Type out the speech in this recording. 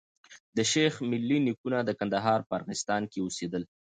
د شېخ ملي نيکونه د کندهار په ارغستان کي اوسېدل.